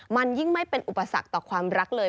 มันยิ่งไม่เป็นอุปสรรคต่อความรักเลย